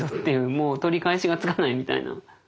「もう取り返しがつかない」みたいな。